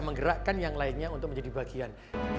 menggerakkan yang lainnya untuk menjadi bagian